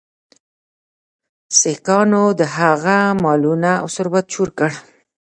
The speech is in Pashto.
سیکهانو د هغه مالونه او ثروت چور کړ.